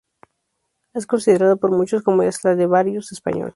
Es considerado por muchos como el Stradivarius español.